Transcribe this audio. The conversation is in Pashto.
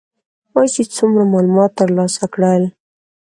ما چې څومره معلومات تر لاسه کړل.